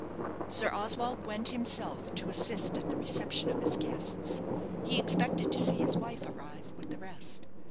Sir Oswald went himself to assist at the reception of his guests. He expected to see his wife arrive with the rest.